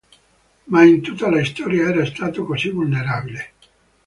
Mai in tutta la storia era stato così vulnerabile.